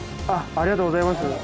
ありがとうございます。